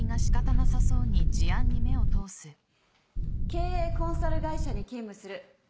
経営コンサル会社に勤務する女性Ａさん